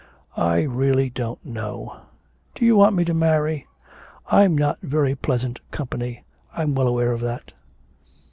'I really don't know. Do you want me to marry? I'm not very pleasant company, I'm well aware of that.'